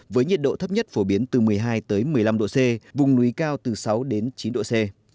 với nhiệt độ thấp nhất phổ biến từ một mươi hai một mươi năm độ c vùng núi cao từ sáu đến chín độ c